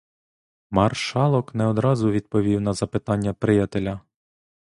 Маршалок не одразу відповів на запитання приятеля.